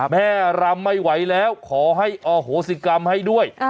รำไม่ไหวแล้วขอให้อโหสิกรรมให้ด้วย